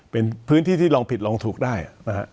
เป็นพื้นที่ที่ลองผิดลองถูกได้นะฮะ